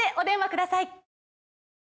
ください